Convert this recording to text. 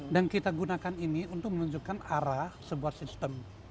dan kita gunakan ini untuk menunjukkan arah sebuah sistem